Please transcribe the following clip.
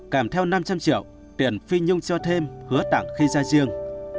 kèm theo năm trăm linh triệu tiền phi nhung cho thêm hứa tặng khi ra riêng